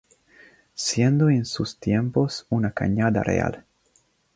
Siendo en sus tiempos una Cañada Real.